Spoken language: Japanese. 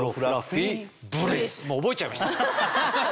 もう覚えちゃいました。